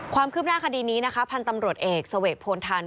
ความคืบหน้าคดีนี้นะคะพันธุ์ตำรวจเอกเสวกโพนทัน